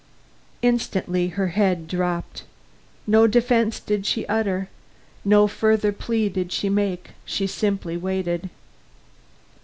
Instantly her head drooped. No defense did she utter; no further plea did she make; she simply waited.